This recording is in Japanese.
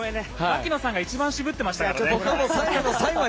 槙野さんが一番渋ってましたけどね。